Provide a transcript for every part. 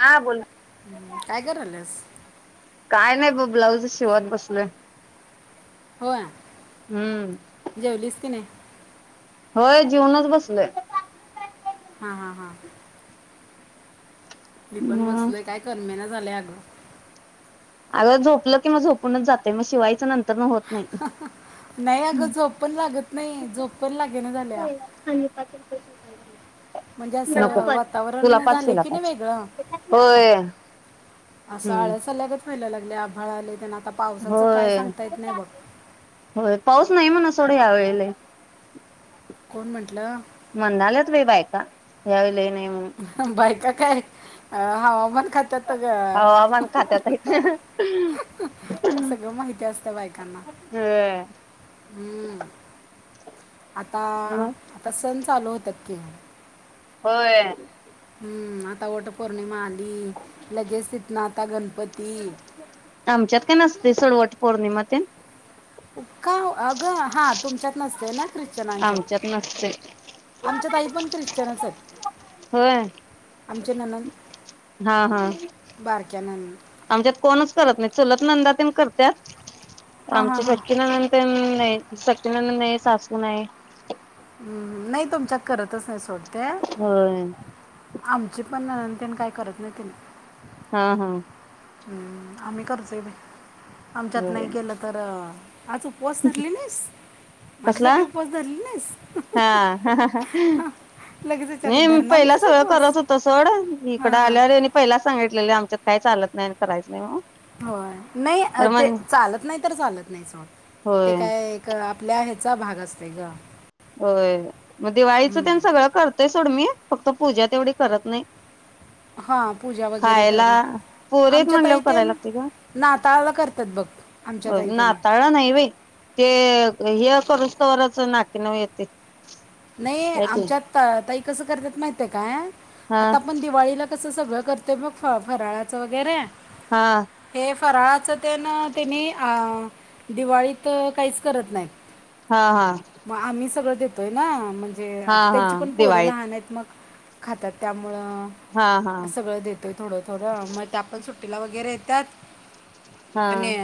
हा बोल [inaudible] काय करायल्यास काय नाही बग ब्लाऊज शिवत बसलोय. होय हम्म जेवलीस की नाय होय जेवूनच बसलोय. हा हा हा मी पण हम्म बसलोय काय करमेना झालंय अगं [inaudible] अग झोपलं कि मग झोपूनच जातय मग शिवायच नंतरन होत नाही हा हा नाही अगं झोप पण लागत नाही झोप पण लागे ना झाल्या म्हणजे नको असं तुला वातावरण पाच झाले तिला कि पाच वेगळं होय असं हम्म आळस आल्यागत व्हायला लागलंय. लय आभाळ आलंय त्यांना आता पावसाचं काय होय सांगता येत नाही बघ. होय पाऊस नाही म्हण सोड ह्यावेळी लय. कोण म्हंटलं म्हणाल्यात बाई बायका यावेळी नाही. म्हणून बायका, काय. अ हवामान खात्यात ग हवामान खात्यात आहेत सगळं माहिती असतं बायकांना होय हम्म आता मग तसनचं चालू होतात की होय हूं आता वट पौर्णिमा आल हूं लगेच तितन आता गणपती आमच्यात काय नसते सोड वट पौर्णिमा तेन का हो अगं हा तुमच्यात नसते ना ख्रिश्चनांच्यात आमच्यात नसते आमच्यात आई पण ख्रिश्चनच आहेत. होय आमचे ननंद हा हा बारक्या ननंद आमच्यात कोणच करत नाहीत. चुलत नंदा तेन करत्यात हां हां आमची हां सक्खी नणंद तेन नाईत स नणंद नाही सासू नाय हूं हूं नाई तुमच्यात करतच नाय सोड होय आमची पण नणंद तेन काय करत नाय तेनी हा हा हूं आम्ही करतोय बाई आमच्यात होय नाही केलं तर आज उपवास धरली नाहीस कसला माझ्यासाठी उपवास धरली नाहीस हा लगेच विचारत नाही धरणार पहिला नाहीस सगळं उपवास करत होत सोड इकड हां आल्यावर यांनी पहिला सांगितलेले आमच्यात काय चालत नाही करायच नाही [unintelligible] होय नाही खरं ते मग चालत नाय तर चालत नाय सोड ते होय काय आपल्या ह्याचा भाग असतोय ग होय मग दिवाळीचं हम्म. तेन सगळं करते सोड मी फक्त पूजा तेवढी करत नाय. हां पूजा वगैरे खायला करणं पोरीयेत आमच्या ताई म्हणल्याव ते कराय ना लागतय ग, नाताळाला करतात बघ आमच्या होय ताई त्याने नाताळला नाही बाई ते हे अ करुसतोवरचं नाट की नव येते [unintelligible] नाही ते आमच्यात त ताई कसं करत्यात माहिते काय? हा आता आपण दिवाळीला कसं सगळं करतोय बघ फ फराळाचं वगैरे हा फराळाच तेन त्यांनी आ दिवाळीत काहीच करत नाहीत. हा हा म आम्ही सगळं [inaudible] ते हा हा त्यांची पण पोरं दिवाळीत लहानेत मग.. खातात त्यामु हा हा मु सगळं देतोय थोडं थोडं मग त्यापासुण ला वगैरे येतात. हा आणि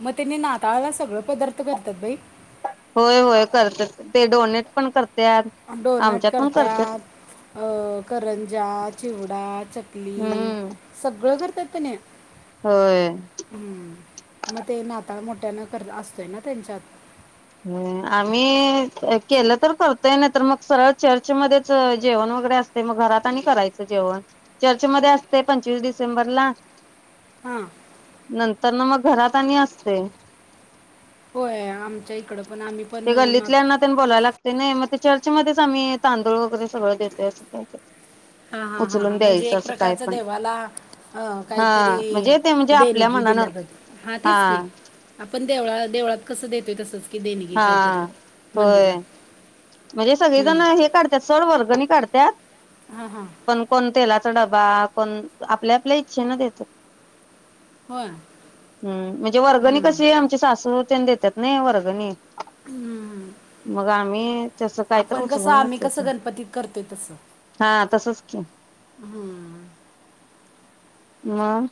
मग त्यांनी नाताळला सगळ पदार्थ करतात बाई. होय होय करते ते डोनेट पण कर त्या आमच्यात पण करत्यात.... अ करंज्या चिवडा चकली हम्म सगळं कर त तने... होय हम्म म ते ना आता मोठ्यान कर असतय ना त्यांच्यात... ह आम्ही केलं तर करतोय नाही तर मग सरळ चर्च मध्येच जेवण वगैरे असते मग घरात आणि करायचं जेवण चर्च मध्ये असते पंचवीस डिसेंबरला हां नंतर न मग घरात त्यांनी असतय होय आमच्या इकडं... पण आम्ही पण ते नात गल्लीतल्याना बोलायला लागते नाई मग चर त्याच्यामध्येच आम्ही तांदूळ वगैरे सगळं देतोय अस काई काई... हा हा हा हा म्हणजे एक प्रकारच देवाला अ हा काहीतरी म्हणजे ते म्हणजे आपल्या देणगी मनानं दिल्या गत हा तेच की आपण देवळाला देवळात कसं देतोय तसंच कि देणगी हा काहीतरी होय मंदिरात..... म्हणजे सगळे हम्म. जण हे काढत्यात सर् वर्गनी काढ त्या हा हा पण कोण तेलात डबा कोण आपल्या आपल्या इच्छे न देतात. होय हम्म म्हणजे वर्गणी हम्म. कशी आमची सासु ते देत त्यात नाही वर्गणी मग आम्ही? तसं काहीतर आपण कसं उचलून आम्ही घेतल कसं त्यांनी गणपतीत करतोय तसं हा तसच की... म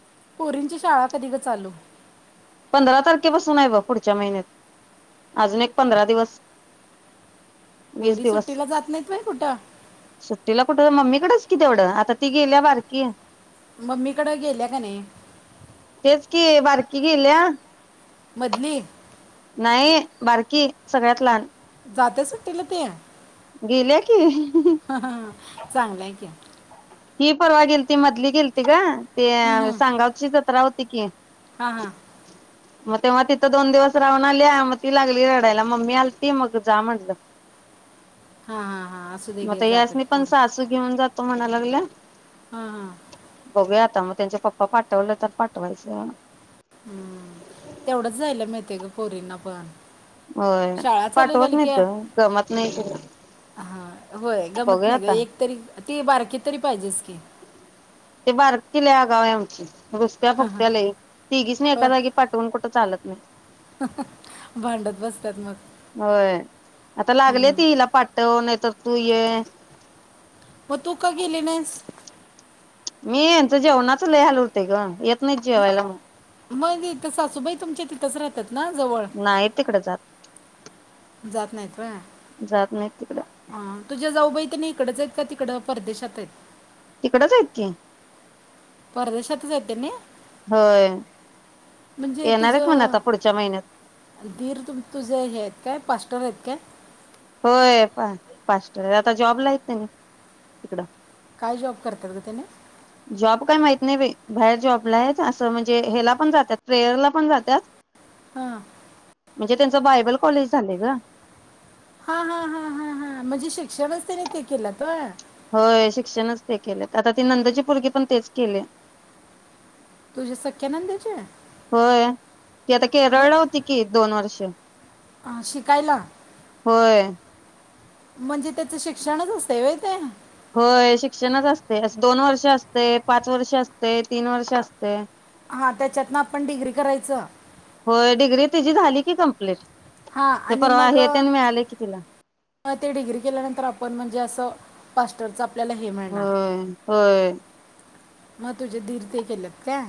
पुरींची शाळा कधी ग चालू? पंधरा तारखेपासून आहे ब पुढच्या महिन्यात अजून एक पंधरा दिवस..... वीस पोरी दिवस सुट्टीला जात नाहीत माही कुठं सुट्टीला कुठ मम्मीकडच कि तेवढं आता ती गेल्या बारकी... मम्मी कड गेल्या की नाय तेच कि बारकी गेल्या... मधली नाही बारकी सगळ्यात लहान जाते सुट्टीला ती? गेल्या की हा ह ह चांगलंय कि... ही परवा गेलती मधली गेलती गं.. ते हम्म, हम्म. सांगावची जत्रा होत [inaudible] हा हा मग तेव्हा तिथं दोन दिवस राहून आल्या मग ती लागली रडायला मम्मी आलती मग जा म्हटलं...... हा हा हा असू दे घे जातात पोरं.... त म्हणाय लागल्या बघूया आता मग त्यांच्या पप्पा पाठवले तर पाठवायचं. हम्म तेवढच जायलं मिळते गं पोरींना पण... होय शाळा चालू पाठवत झाली कि नाहीत ग गमत नाही हा होय गमत बघूया नाही ग आता एक तरी ती बारकी तरी पाहिजेच की ते बारकी लय [inaudible] रुसत्या फुगत्या लई तिघीसनी हो एका जागी पाठवून कुठं चालत नाय. त्यात मग होय आता लागले ती हिला पाठव नाही तर... तु ये मगं तु का गेली नाहीस? मी यांचं जेवणाच लई हाल होतयं गं... मगं इथ सासूबाई तुमच्या तिथंच राह... नाही तिकडे जात... जात नाहीत व्हय जात नाहीत तिकडं तुझा जाऊबाई.... त्यांनी इकडच आहेत का तिकडं परदेशात आहेत? तिकडच आहेत की... परदेशात हायत त्यांनी होय म्हणजे येणार तुझ आहेत म्हण आता पुढच्या महिन्यात दीर... तुझे हे काय आहेत काय पाच? तुम्हीयेत काय? होय पा पास्टर आहेत आता जॉबला आहेत त्यानी तिकडं काय जॉब करतात ग त्यानी जॉब काय माहित नाही बई. बाहेर जॉबला आहेत. अस म्हणजे हेला पण जातात प्रेयरला पण जात्यात. हा म्हणजे त्यांच बायबल कॉलेज झालय गं हा हा हा हा हा म्हणजे शिक्षणच त्यांनी ते केल्यात व्हय? होय शिक्षणच ते केले आता ती नंदेची पोर्गी पण तेच केले. तुझ्या सख्यानंदाचे होय ती आता केरळला होती की दोन वर्ष. अ शिकायला? होय. म्हणजे त्याच शिक्षणच असतय व्हय ते होय शिक्षणच असतयं, अस दोन वर्ष असतयं, पाच वर्ष असतयं, तीन वर्ष असतयं. हा त्याच्यातन आपण डिग्री करायच. होय डिग्री तिची झाली की कंप्लीट हा ते आणि परवा मग हे त्यानी मिळाले की तिला म ते डिग्री केल्यानंतर आपण म्हणजे अस फास्टरचा व्हय होय म तुझे दीर ते केलेत काय?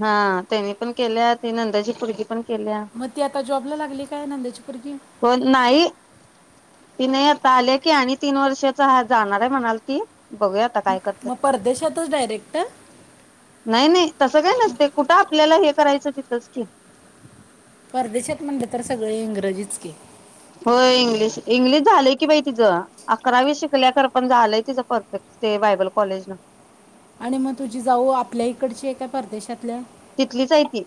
हा त्यांनी पण केल्या ते नंदची पोरगी पण केल्या म ती आता जॉबला लागली काय नणंदेची पोरगी? कोण नाही, ती नाही आता आलीया की आणि तीन वर्षाच हा जाणारये म्हणायलती. बघूया आता काय करत्यात. मग परदेशातच डायरेक्ट नाही नाही तस काय नसतय कुठ आपल्याला हे करायच तिथच की परदेशात म्हणल तर सगळे इंग्रजीच की हो इंग्लिश इंग्लिश झालय की बई तिच अकरावी शिकल्या खर पण झालय तिच परफेक्ट ते बायबल कॉलेज न. आणि मग तुझी जाऊ आपल्या इकडची हाय काय? परदेशातल्या तिथलीच हाय ती.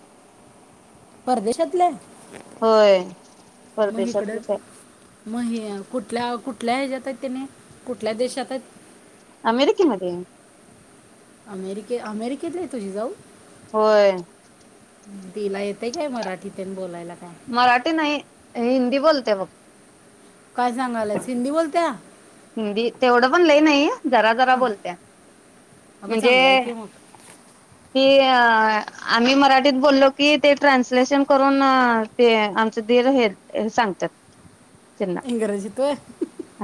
परदेशातले होय मग हीकडच परदेशातलीच आहे म हे कुठल्या कुठल्या ह्याच्यात हायत? तेनी अमेरिकेमध्ये अमेरिके अमेरिकेतली ये तुझी जाऊ? होय. तिला येतय काय मराठीतेन बोलायला? काय मराठी नाही हिंदी बोलते बघ. काय सांगाल्यास हिंदी बोलत्या? नई जरा जरा हं, बोलत्या. अगं चांगलाय कि मग कि आम्ही मराठीत बोललो की ते ट्रान्सलेशन करून ते आमचं दीर हे सांगतात. त्यांना इंग्रजीत होय?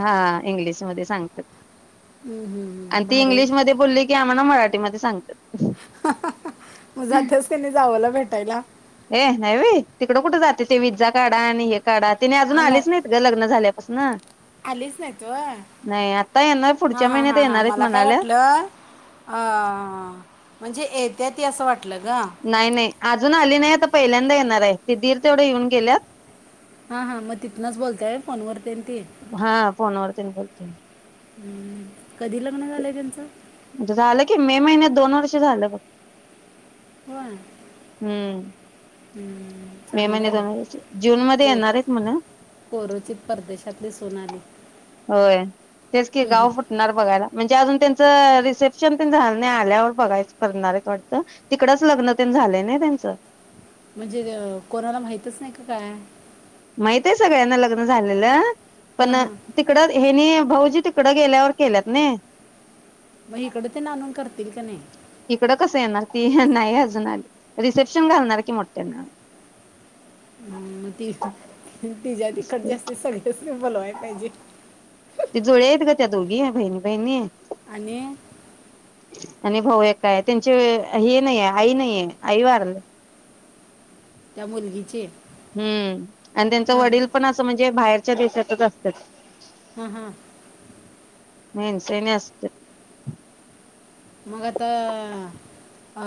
हा इंग्लिश ह्यामध्ये सांगतात. हम्म, आणि हम्म, ती भारी आहे. इंग्लिशमध्ये बोलले की आप मला मराठीमध्ये सांगत्यात. मं जात्यास का नाही जावंला भेटायला. ये नाहीवी तिकड कुठे जाते ते विज्झा काढा आणि हे काढा तिने अजून आना आलेच नाहीत ग लग्न झाल्या अस ना आलीच नाहीत व्हय येणार हा पुढच्या हा महिन्यात हा हां येणार आहेत मला काय म्हणाल्या वाटलं अ म्हणजे ए त्याती असं वाटतं नाय नाय अजून आली नाही आता पहिल्यांदा ये खरय ते दीर तेवढे येऊन गेल्यात हा हा मग तिथनच बोलतय फोन वर तीर ती त्यानं बोलत्यांल हम्म कधी लग्न झालंय त्यांचं? झालं की मे महिन्यात दोन वर्ष झालं बघ व्हय हम्म मे चांगलं आहे बघ महिन्यात [unintelligible] जून मध्ये को येणार आहेत म्हण आपली सोनाली होय तेच की हम्म. गाव फुटणार बघायला म्हणजे अजून त्यां तर रिसेप्शन पण झालं नाही आल्यावर बघायचं करणार आहेत वाटतं, तिकडचं लग्न नं ते झालंय नाय त्यांच म्हणजे कोणाला माहितच नाही का काय? माहित आहे सगळ्यांना लग्न झालेलं. पण हां हां तिकडं ह्येनी भाऊजी तिकडं गेल्यावर केल्यात न मग हिकडं तर आणून करतील का नाही. इकड कसं येणार ती, नाई अजून आली. रिसेप्शन घालणार की मोठ्यानं हम ती ह तिच्या तिकड जास्त सगळ्यास्नी बोलव पाहिजे ते जुळे आहेत त ग त्या दोघी बहिणी बहिणी. आणि आणि भाऊ एकय त्यांचे हे नाहीये आई नाहीय आई वारले. त्या मुलगीचे हम्म आणि त्यांच हां वडील पण असं म्हणजे बाहेर ते दिसतंच असतात. ह हा [unintelligible] मग आता अ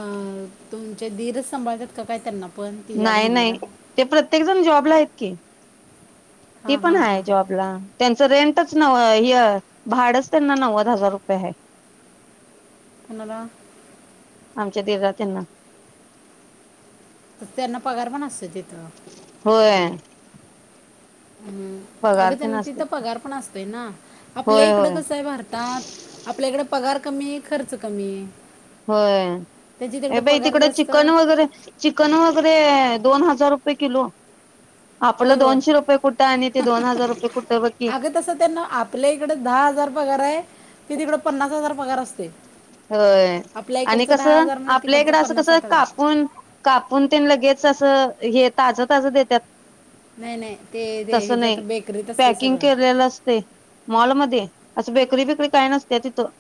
तुम ते दीरच सांभाळत्यात का काय त्यांना पण तिच्या नाही बहिणीला नाही ते प्रत्येक जण जॉब ला आहेत की ती हां पण हां हां हाय हां जॉबला त्यांच रेंट तेच नव्ह हे भाडच त्यांना नव्वद हजार रुपये हाय मला आमच्या दीरा त्यांना तर त्यांना पगार पण असतय तिथ होय हम्म पगार अगं तेन त्यांना असतय तिथं पगार पण असतय ना आपल्या होय इकडं होय कसंय भारतात आपल्या इकडे पगार कमी खर्च कमी होय त्यांची ये तिकडे बाई पगार तिकडं जास्त चिकन वगैरे चिकन वगैरे दोन हजार रुपये किलो होय आपलं होय दोनशे रुपये कुठं आणि ते दोन हजार रुपये कुठं बघ की अग तस त्यांना आपल्या इकडे दहा हजार पगार हाय ते तिकड पन्नास हजार पगार अस [inaudible] होय आणि कसं म्हणजे आपल्या तिकडचं इकडं असं पन्नास कसं साठ हजार कापून कापून ते लगेच असं हे ताजं ताजं देतात नाही नाही ते ते तस ह्याच्यात नाही बेकरीत असते पॅकिंग सगळं केलेलं असते मॉलमध्ये असं बेकरी बिकरी काय नसत्या तिथं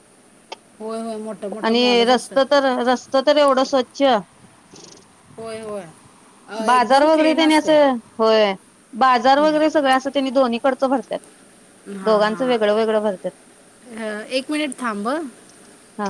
होय होय मोठं मोठं आणि मॉलच रस्त असतात तर रस्त तर एवढं स्वच्छ होय होय अ, बाजार एकदम वगैरे क्लीन त्यानी असते असं होय बाजार वगैरे सगळ असं त्यांनी दोन्ही खर्च भरत्यात हा दोघांचं हा वेगळं वेगळं भरत्यात अ एक मिनिट थांब ह हा